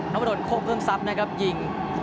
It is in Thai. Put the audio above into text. เพราะว่าโดนโค่กเครื่องทรัพย์นะครับยิง